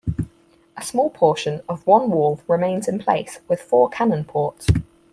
A small portion of one wall remains in place with four cannon ports.